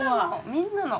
みんなの！